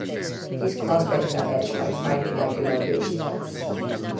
These crossbands are edged by fine, irregular, beige spots.